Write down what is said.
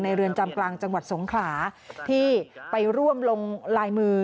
เรือนจำกลางจังหวัดสงขลาที่ไปร่วมลงลายมือ